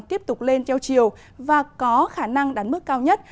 tiếp tục lên theo chiều và có khả năng đạt mức cao nhất